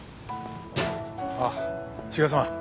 あ志賀さん。